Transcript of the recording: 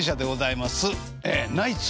ナイツ。